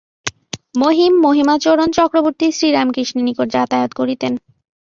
মহিম, মহিমাচরণ চক্রবর্তী শ্রীরামকৃষ্ণের নিকট যাতায়াত করিতেন।